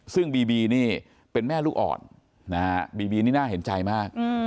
ซึ่งบีบีนี่เป็นแม่ลูกอ่อนนะฮะบีบีนี่น่าเห็นใจมาก